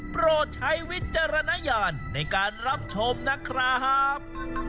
โปรดใช้วิจารณญาณในการรับชมนะครับ